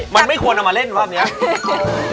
มันไม่ควรเอามาเล่นรอบนี้